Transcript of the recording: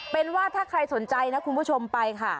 เป็นว่าถ้าใครสนใจนะคุณผู้ชมไปค่ะ